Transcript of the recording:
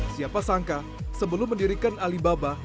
siapa sangka sebelum mendirikan alibaba